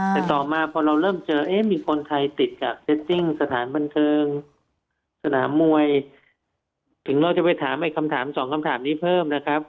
แต่ต่อมาพอเราเริ่มเจอเอ๊ะมีคนไทยติดกับเซตจริงสถานบันเทิงสนามมวยถึงเราจะไปถามไอ้คำถามสองคำถามนี้เพิ่มนะครับ